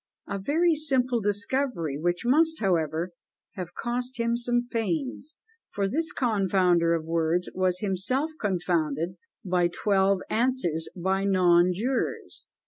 a very simple discovery, which must, however, have cost him some pains; for this confounder of words was himself confounded by twelve answers by non jurors!